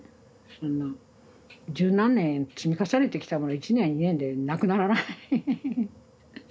そんな十何年積み重ねてきたものは１年や２年でなくならない。